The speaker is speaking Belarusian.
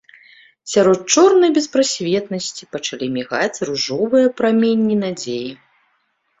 Сярод чорнай беспрасветнасці пачалі мігаць ружовыя праменні надзеі.